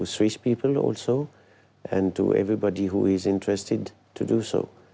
ม้าเจ้ามาฮิด่อนประชาติ